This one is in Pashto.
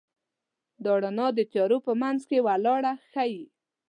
دا رڼا د تیارو په منځ کې لاره ښيي.